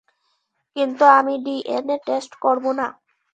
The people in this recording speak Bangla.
কিন্তু আমি ডিএনএ টেস্ট করবো না।